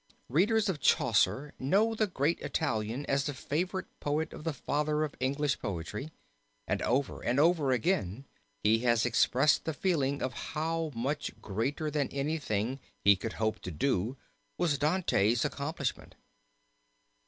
Readers of Chaucer know the great Italian as the favorite poet of the Father of English poetry, and over and over again he has expressed the feeling of how much greater than anything he could hope to do was Dante's accomplishment.